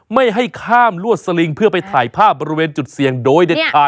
ไม่ให้ข้ามลวดสลิงเพื่อไปถ่ายภาพบริเวณจุดเสี่ยงโดยเด็ดขาด